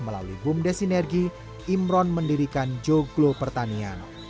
melalui bumdes sinergi imron mendirikan joglo pertanian